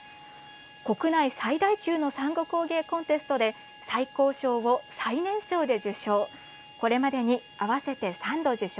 国内最大級のサンゴ工芸コンテストで最高賞を最年少で受賞。